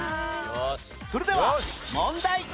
それでは問題